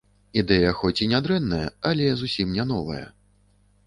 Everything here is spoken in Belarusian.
Ідэя хоць і не дрэнная, але зусім не новая.